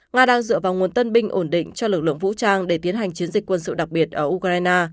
nga đang dựa vào nguồn tân binh ổn định cho lực lượng vũ trang để tiến hành chiến dịch quân sự đặc biệt ở ukraine